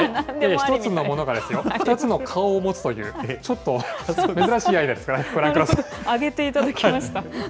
１つのものがですよ、２つの顔を持つという、ちょっと珍しいアイデアです、ご覧くださあげていただきました。